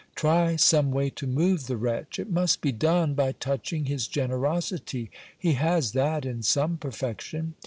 Try some way to move the wretch. It must be done by touching his generosity: he has that in some perfection.